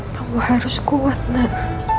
kamu harus kuat nan